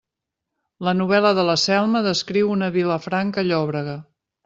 La novel·la de la Selma descriu una Vilafranca llòbrega.